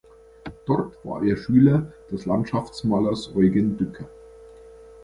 Dort war er Schüler des Landschaftsmalers Eugen Dücker.